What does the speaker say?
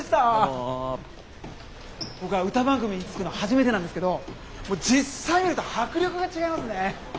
僕は歌番組に就くの初めてなんですけど実際見ると迫力が違いますね！